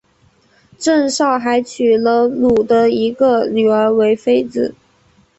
郑昭还娶了努的一个女儿为妃子。